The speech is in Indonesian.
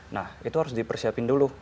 nah itu harus dipersiapin dulu